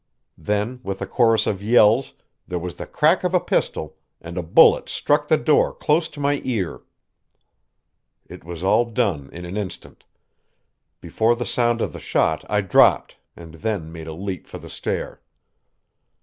Then with a chorus of yells there was the crack of a pistol, and a bullet struck the door close to my ear. It was all done in an instant. Before the sound of the shot I dropped, and then made a leap for the stair.